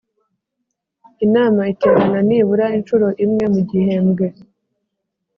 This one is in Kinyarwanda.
Inama iterana nibura incuro imwe mu gihembwe